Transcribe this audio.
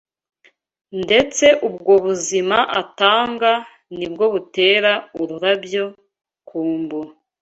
ndetse ubwo buzima atanga ni bwo butera ururabyo kumbūra